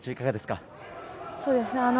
そうですね。